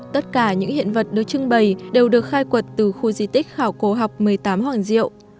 tất cả những hiện vật được trưng bày đều được khai quật từ khu di tích khảo cổ học một mươi tám hoàng diệu